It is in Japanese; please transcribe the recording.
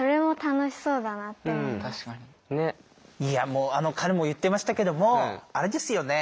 もうあの彼も言ってましたけどもあれですよね